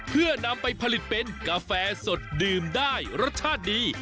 เพื่อนำไปผลิตเป็นกาแฟสดดื่มได้รสชาติดี